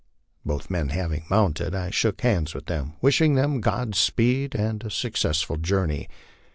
Both men having mounted, I shook hands with them, wishing them God speed and a successful journey.